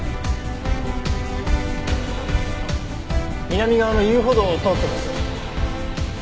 南側の遊歩道を通ってます。